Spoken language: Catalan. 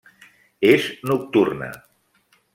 És nocturna.